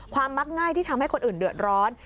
มักง่ายที่ทำให้คนอื่นเดือดร้อน